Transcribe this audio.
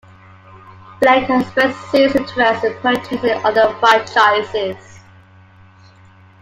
Blank has expressed serious interest in purchasing other franchises.